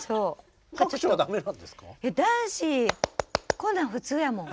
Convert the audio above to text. こんなん普通やもん。